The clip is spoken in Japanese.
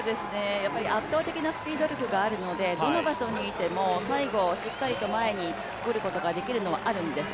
圧倒的なスピード力があるので、どの場所にいても最後しっかりと前に来ることができるのはあるんです。